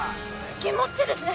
気持ちいいですね。